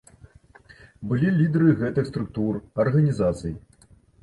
Былі лідары гэтых структур, арганізацый.